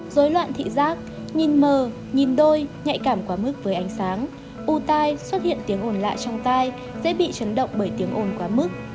dối loạn thị giác nhìn mờ nhìn đôi nhạy cảm quá mức với ánh sáng u tai xuất hiện tiếng ồn lại trong tay dễ bị chấn động bởi tiếng ồn quá mức